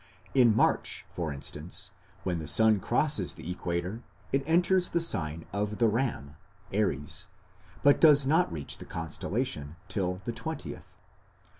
In March, for instance, when the sun crosses the equator it enters the sign of the Ram (Aries), but does not reach the constellation till the 20th, as the comparative table shows on p.